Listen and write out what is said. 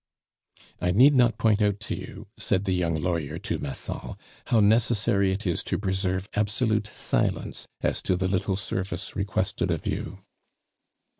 "I need not point out to you," said the young lawyer to Massol, "how necessary it is to preserve absolute silence as to the little service requested of you."